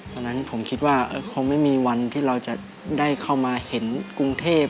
ตอนนั้นผมคิดว่าคงไม่มีวันที่เราจะได้เข้ามาเห็นกรุงเทพ